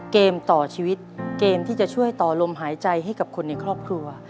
เกมต่อชีวิตเกมที่จะช่วยต่อลมหายใจให้กับคนในครอบครัว